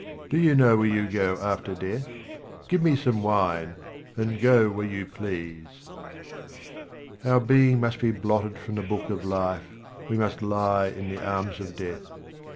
Do you know where you go after death ? Give me some wine, and go where you please. Our being must be blotted from the book of life, we must lie in the arms of death.